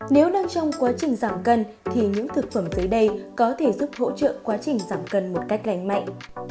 nếu đang trong quá trình giảm cân thì những thực phẩm tới đây có thể giúp hỗ trợ quá trình giảm cân một cách lành mạnh